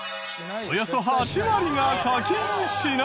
およそ８割が課金しない。